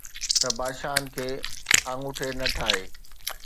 ته بادشاهن کي آڱوٺي نه ٺاهي